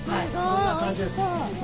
こんな感じです。